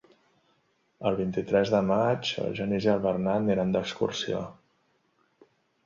El vint-i-tres de maig en Genís i en Bernat aniran d'excursió.